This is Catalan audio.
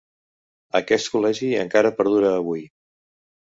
Aquest col·legi encara perdura avui.